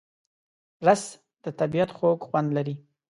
رس د طبیعت خوږ خوند لري